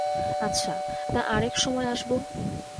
আচ্ছা, তা, আর-এক সময় আসব।